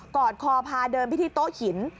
อดคอพาเดินไปที่โต๊ะหิน